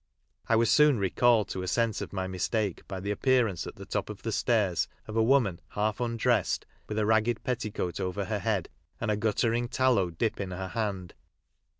I was soon recalled to a sense of my mistake by the appearance, at the top of the stairs, of a woman half undressed, with a ragged petticoat over her head, and a gutter ing tallow dip in her hand.